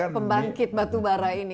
pembangkit batubara ini